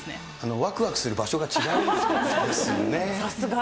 わくわくする場所が違うんでさすが。